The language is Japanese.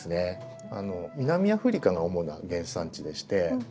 南アフリカが主な原産地でして。